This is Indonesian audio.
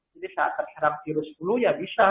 jadi saat terherap virus flu ya bisa